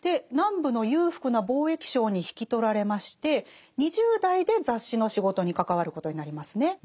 南部の裕福な貿易商に引き取られまして２０代で雑誌の仕事に関わることになりますね。